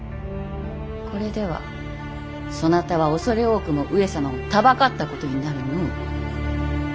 これではそなたは恐れ多くも上様をたばかったことになるの。